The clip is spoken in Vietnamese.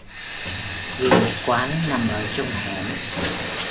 Vì quán nằm ở trong hẻm